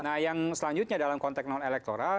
nah yang selanjutnya dalam konteks non elektoral